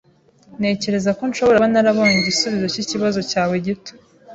Ntekereza ko nshobora kuba narabonye igisubizo cyikibazo cyawe gito.